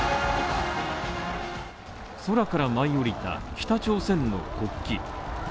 空から舞い降りた北朝鮮の国旗。